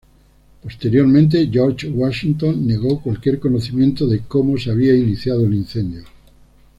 Posteriormente, George Washington negó cualquier conocimiento de cómo se había iniciado el incendio.